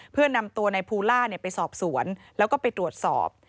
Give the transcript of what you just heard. เพื่อนำตัวนายภูล่าไปสอบสวนแล้วก็ไปตรวจสอบ